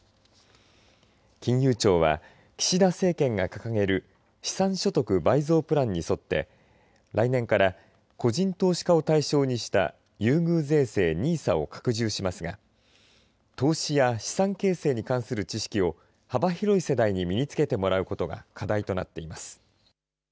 金融庁は岸田政権が掲げる資産所得倍増プランに沿って来年から個人投資家を対象にした優遇税制ＮＩＳＡを拡充しますが投資や資産形成に関する知識を幅広い世代に身につけてもらうことが課題となっています。